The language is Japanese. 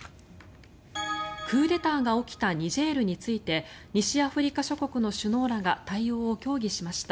クーデターが起きたニジェールについて西アフリカ諸国の首脳らが対応を協議しました。